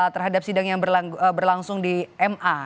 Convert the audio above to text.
terhadap sidang yang berlangsung di ma